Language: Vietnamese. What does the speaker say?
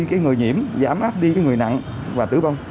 cái người nhiễm giảm áp đi người nặng và tử vong